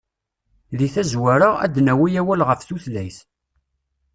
Deg tazwara, ad d-nawi awal ɣef tutlayt.